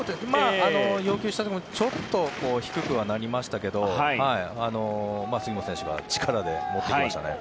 要求したよりちょっと低くはなりましたが杉本選手が力で持っていきましたね。